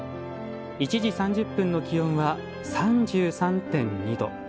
１時３０分の気温は３３．２度。